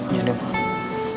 iya deh mak